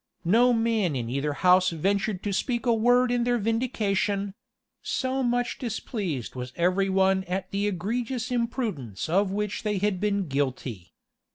No man in either house ventured to speak a word in their vindication; so much displeased was every one at the egregious imprudence of which they had been guilty.